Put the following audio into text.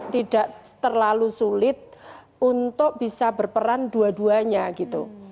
tidak terlalu sulit untuk bisa berperan dua duanya gitu